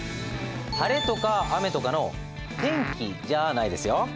晴れとか雨とかの天気じゃないですよ。